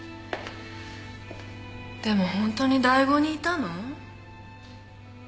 でもホントに醍醐にいたの？